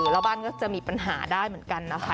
แล้วบ้านก็จะมีปัญหาได้เหมือนกันนะคะ